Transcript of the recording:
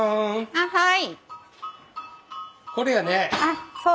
あっはい。